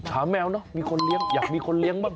แมวเนอะมีคนเลี้ยงอยากมีคนเลี้ยงบ้าง